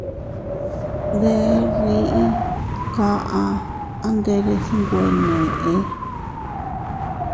Deʼer dii, kaʼa a nderes nwe neʼe.